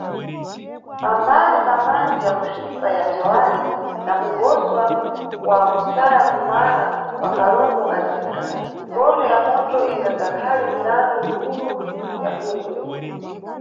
Pambali pamadzi ya kuswipa ya thawale na kugoswa kwa kusaya kumala kwa kalombo kaZika, ngolo ya moto ingadzakhale mirandu mikulu ya bungwe.